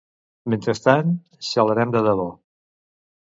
Mentrestant xalarem de debò